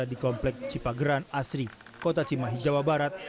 di komplek cipageran asri kota cimahi jawa barat